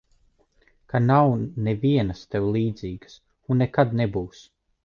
Ka nav nevienas tev līdzīgas un nekad nebūs.